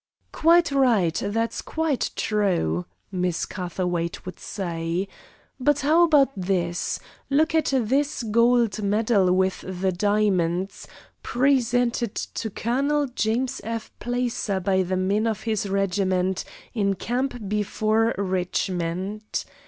"Quite right; that's quite true," Miss Catherwaight would say. "But how about this? Look at this gold medal with the diamonds: 'Presented to Colonel James F. Placer by the men of his regiment, in camp before Richmond.'